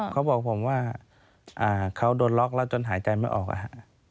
เขาบอกผมว่าเขาโดนล็อกแล้วจนหายใจไม่ออกอะฮะ